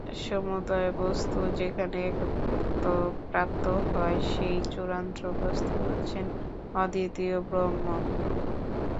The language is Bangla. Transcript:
সমুদয় বস্তু যেখানে একত্ব-প্রাপ্ত হয়, সেই চূড়ান্ত বস্তু হচ্ছেন অদ্বিতীয় ব্রহ্ম।